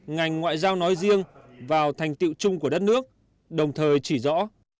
ngành ngoại giao nói riêng vào thành tiệu chung của đất nước đồng thời chỉ rõ